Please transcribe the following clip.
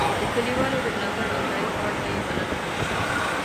د کلیوالو د ملاتړ او تایید وړ به یې بلل.